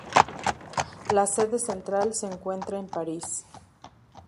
La sede central se encuentra en París.